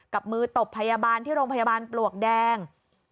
กับมือตบพยาบาลที่โรงพยาบาลปลวกแดง